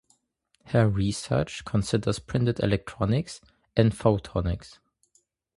Her research considers printed electronics and photonics.